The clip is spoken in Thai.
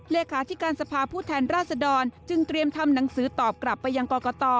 เลขาธิการสภาพผู้แทนราชดรจึงเตรียมทำหนังสือตอบกลับไปยังกรกต